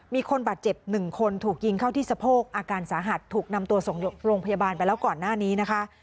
มีคนบาดเจ็บหนึ่งคนถูกยิงเข้าที่สะโพกอาการสาหัสถูกนำตัวส่งโรงพยาบาลไปแล้วก่อนหน้านี้นะคะ